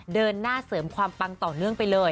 เดินหน้าเสริมความปังต่อเนื่องไปเลย